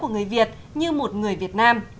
người việt như một người việt nam